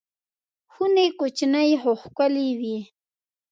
خونې کوچنۍ خو ښکلې وې.